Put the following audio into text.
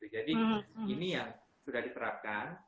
jadi ini yang sudah diterapkan